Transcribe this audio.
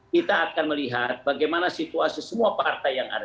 kita akan melihat bagaimana situasi semua partai yang ada